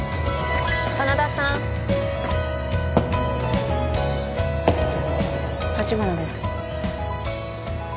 真田さん橘です